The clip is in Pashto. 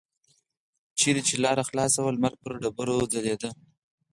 چېرته چې لاره خلاصه وه لمر پر تیږو ځلیده.